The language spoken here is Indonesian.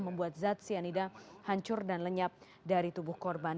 membuat zat cyanida hancur dan lenyap dari tubuh korban